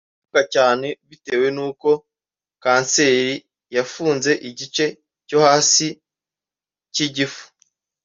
Kuruka cyane (bitewe n’uko kanseri yafunze igice cyo hasi cy’igifu)